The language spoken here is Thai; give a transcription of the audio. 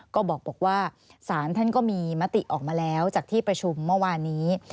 ก็บอกว่าศาลท่านก็มีมติออกมาแล้วจากที่ประชุมเมื่อวานนี้